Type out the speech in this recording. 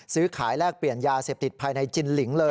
ซื้อขายแลกเปลี่ยนยาเสพติดภายในจินลิงเลย